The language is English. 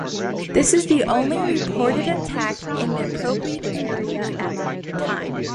This is the only reported attack in the appropriate area at that time.